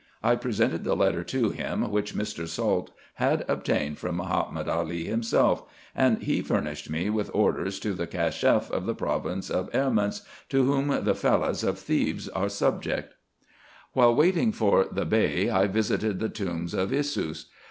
I presented the letter to him which Mr. Salt had obtained from Mahomet Ali himself, and he furnished me with orders to the Casheff of the province of Erments, to whom the Fellahs of Thebes are subject. IN EGYPT, NUBIA, &c. 31 While waiting for the Bey I visited the tombs of Issus.